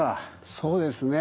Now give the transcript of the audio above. そうですね。